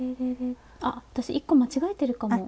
あ私１個間違えてるかも！